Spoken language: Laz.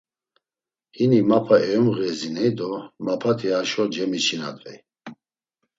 Hini Mapa eyomğeziney do Mapati haşo cemiçinadvey.